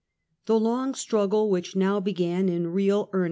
The long struggle which now began in real earnest Character